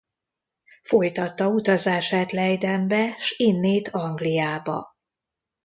Folytatta utazását Leidenbe s innét Angliába.